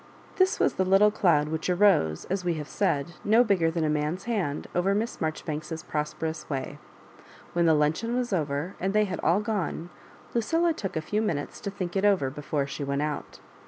This was the little cloud which arose, as we have said, no bigger than a man's hand, over Miss Marjoribanks's prosperous way. When the luncheon was over and they had all gone, Lu cilla took a few minutes to think it over before she went out.